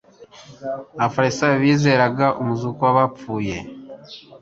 Abafarisayo bizeraga umuzuko w’abapfuye